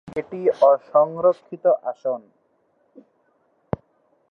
এটি অসংরক্ষিত আসন।